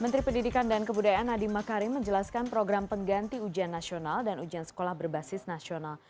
menteri pendidikan dan kebudayaan nadiem makarim menjelaskan program pengganti ujian nasional dan ujian sekolah berbasis nasional